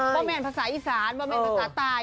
บ่แมนภาษาอีสานบ่แมนภาษาตาย